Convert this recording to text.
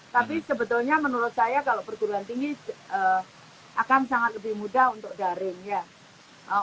tapi sebetulnya menurut saya kalau perguruan tinggi akan sangat lebih mudah untuk daring